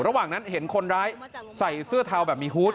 ระหว่างนั้นเห็นคนร้ายใส่เสื้อเทาแบบมีฮูต